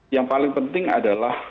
yang paling penting adalah